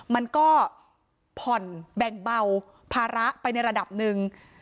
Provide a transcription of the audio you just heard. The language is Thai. มันก็ผ่อนแบ่งเบาภาระไปในระดับหนึ่ง